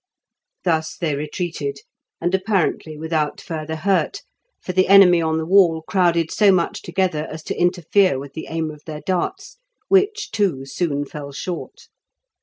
Thus they retreated, and apparently without further hurt, for the enemy on the wall crowded so much together as to interfere with the aim of their darts, which, too, soon fell short.